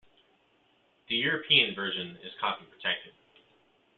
The European version is copy protected.